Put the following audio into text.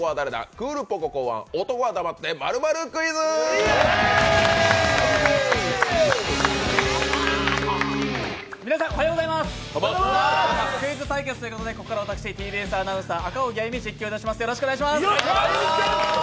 クールポコ考案男は黙って○○クイズクイズ対決ということで、ここから私、ＴＢＳアナウンサー、赤荻歩、実況をいたします。